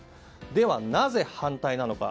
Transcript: では、なぜ反対なのか。